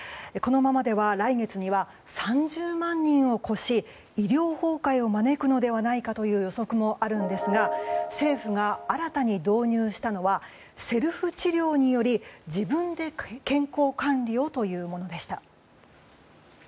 このままでは来月には３０万人を超し医療崩壊を招くのではないかという予測もあるんですが政府が新たに導入したのはセルフ治療により自分で健康管理をというものでした。